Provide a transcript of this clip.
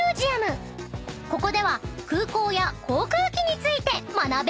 ［ここでは空港や航空機について学べるのです］